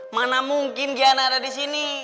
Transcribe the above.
mana mungkin giana ada disini